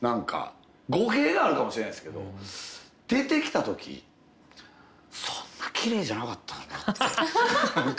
語弊があるかもしれないですけど出てきた時そんなきれいじゃなかったのになって。